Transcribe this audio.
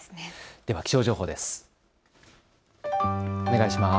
では気象情報です。